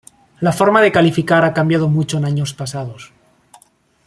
La forma de calificar ha cambiado mucho en años pasados.